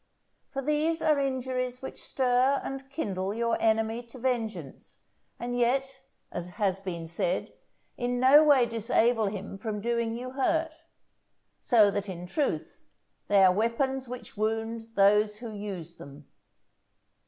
For these are injuries which stir and kindle your enemy to vengeance, and yet, as has been said, in no way disable him from doing you hurt; so that, in truth, they are weapons which wound those who use them.